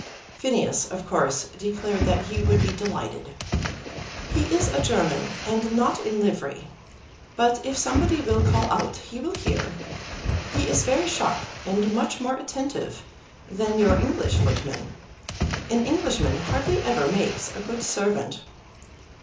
Phineas, of course, declared that he would be delighted. "He is a German, and not in livery. But if somebody will call out, he will hear. He is very sharp, and much more attentive than your English footmen. An Englishman hardly ever makes a good servant."